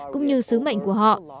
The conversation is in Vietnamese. cũng như sứ mệnh của họ